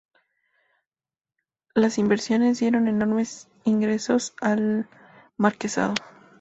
Las inversiones dieron enormes ingresos al Marquesado.